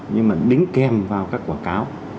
nhưng mà đính kèm vào các quả cáo